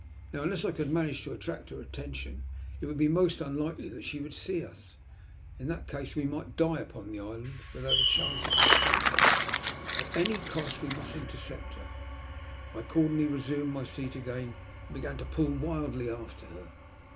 Now, unless I could manage to attract her attention, it would be most unlikely that she would see us. In that case we might die upon Uie island without a 184 THE LUST OP HATE. chance of escape. At any cost we mast intercept her. I accordingly resumed my seat again and began to pull wildly after her.